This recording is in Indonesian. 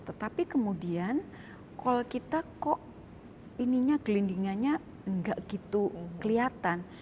tetapi kemudian call kita kok gelindingannya tidak begitu kelihatan